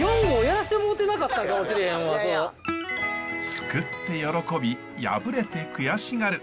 すくって喜び破れて悔しがる。